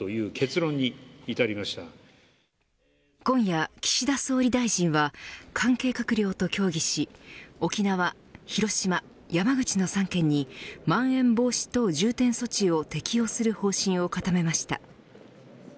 今夜、岸田総理大臣は関係閣僚と協議し沖縄、広島、山口の３県にまん延防止等重点措置を適用する方針を固めました。